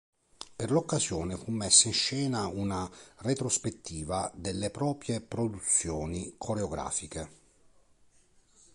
Per l'occasione fu messa in scena una retrospettiva delle proprie produzioni coreografiche.